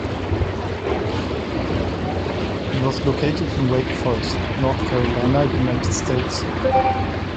It was located in Wake Forest, North Carolina, United States.